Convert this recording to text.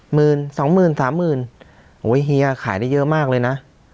หมื่นสองหมื่นสามหมื่นโอ้ยเฮียขายได้เยอะมากเลยนะ